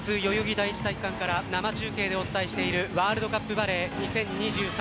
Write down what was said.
第一体育館から生中継でお伝えしているワールドカップバレー２０２３